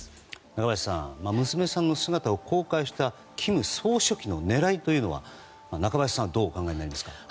中林さん娘さんの姿を公開した金総書記の狙いはどうお考えになりますか？